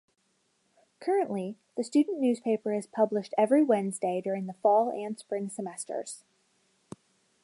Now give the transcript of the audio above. Currently, the student newspaper is published every Wednesday during the fall and spring semesters.